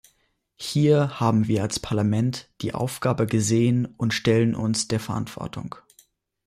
Hier haben wir als Parlament die Aufgabe gesehen und stellen uns der Verantwortung.